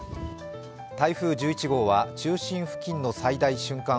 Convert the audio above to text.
台風１１号は中心付近の最大瞬間